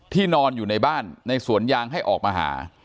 นอนอยู่ในบ้านในสวนยางให้ออกมาหา